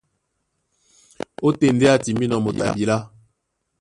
Ótên ndé á timbínɔ́ moto a bilá.